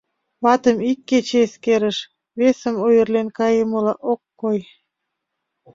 Ватым ик кече эскерыш, весым — ойырлен кайымыла ок кой.